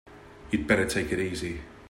You'd better take it easy.